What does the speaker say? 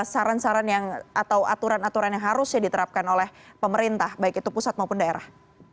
saran saran atau aturan aturan yang harusnya diterapkan oleh pemerintah baik itu pusat maupun daerah